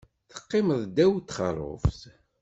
Teqqimeḍ ddaw n txeṛṛubt.